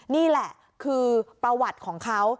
นี่แหละคือประวัติของเขา